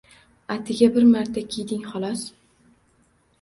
Atiga bir marta kiyding xolos